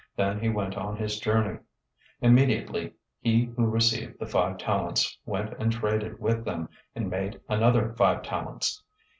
Then he went on his journey. 025:016 Immediately he who received the five talents went and traded with them, and made another five talents.